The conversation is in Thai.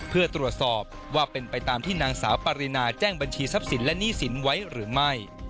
เพื่อตรวจสอบว่าเป็นไปตามที่นางสาวปรินาแจ้งบัญชีทรัพย์สินและหนี้สินไว้หรือไม่